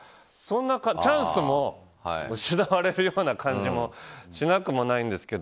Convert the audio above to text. チャンスも失われるような感じもしなくもないんですけど。